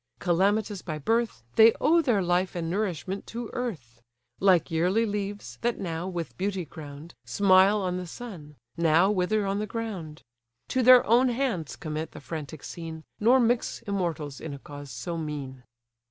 Calamitous by birth, They owe their life and nourishment to earth; Like yearly leaves, that now, with beauty crown'd, Smile on the sun; now, wither on the ground. To their own hands commit the frantic scene, Nor mix immortals in a cause so mean."